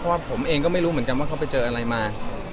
เพราะว่าผมเองก็ไม่รู้เหมือนกันว่าเขาไปเจออะไรมา